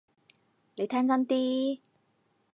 你聽真啲！